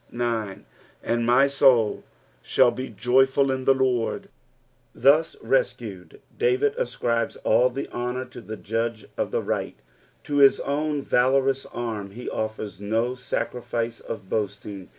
fl. " And my toul thall le joijfiil in the Lord." Thus rescued, David ascribes kll the honuur to the Judge of the right ; to his own valorous arm he offers no sacrifice of boasting.